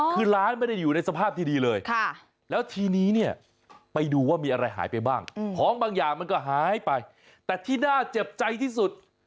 คือร้านไม่ได้อยู่ในสภาพที่ดีเลยแล้วทีนี้เนี่ยไปดูว่ามีอะไรหายไปบ้างของบางอย่างมันก็หายไปแต่ที่น่าเจ็บใจที่สุด